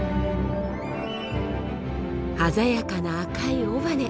鮮やかな赤い尾羽。